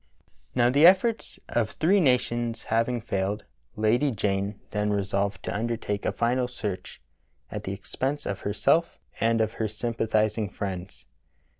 Now the efforts of three nations having failed. Lady Jane then resolved to undertake a final search at the expense of herself and of her sympathizing friends.